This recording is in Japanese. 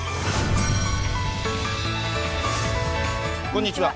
こんにちは。